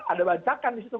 ada bancakan di situ